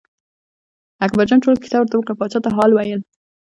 اکبرجان ټوله کیسه ورته وکړه پاچا ته حال ویل.